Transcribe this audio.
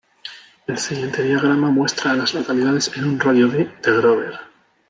El siguiente diagrama muestra a las localidades en un radio de de Grover.